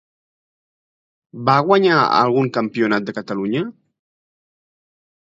Va guanyar algun Campionat de Catalunya?